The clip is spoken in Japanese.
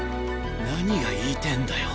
何が言いてぇんだよ。